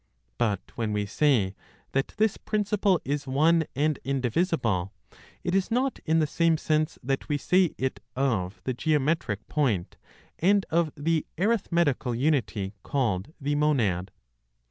But when we say that this principle is one and indivisible, it is not in the same sense that we say it of the (geometric) point, and of the (arithmetical unity called the) monad.